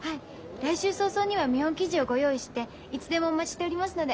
来週早々には見本生地をご用意していつでもお待ちしておりますので。